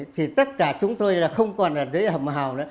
thì tất cả chúng tôi là không còn ở dưới hầm hào nữa